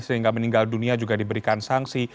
sehingga meninggal dunia juga diberikan sanksi